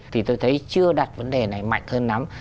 thì tôi thấy chưa đặt vấn đề này mạnh hơn lắm